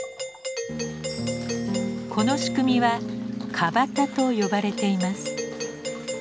この仕組みは「川端」と呼ばれています。